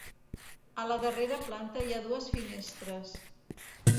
A la darrera planta hi ha dues finestres.